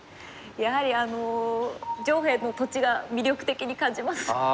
やはり上辺の土地が魅力的に感じます。